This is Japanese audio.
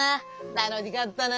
楽しかったな。